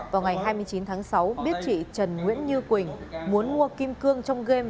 vào ngày hai mươi chín tháng sáu biết chị trần nguyễn như quỳnh muốn mua kim cương trong game